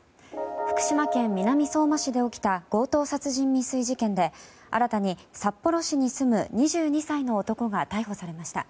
福島県南相馬市で起きた強盗殺人未遂事件で新たに札幌市に住む２２歳の男が逮捕されました。